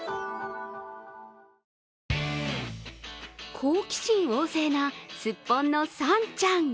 好奇心旺盛なスッポンのさんちゃん。